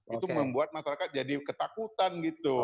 itu membuat masyarakat jadi ketakutan gitu